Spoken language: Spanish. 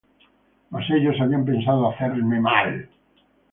Mas ellos habían pensado hacerme mal.